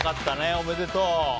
おめでとう。